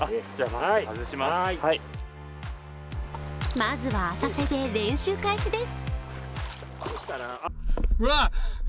まずは、浅瀬で練習開始です。